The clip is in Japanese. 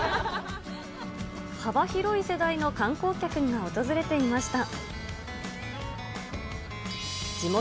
幅広い世代の観光客が訪れていました。